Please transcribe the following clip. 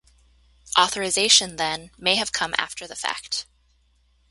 Authorisation, then, may have come after the fact.